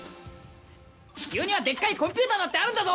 地球にはでっかいコンピューターだってあるんだぞ。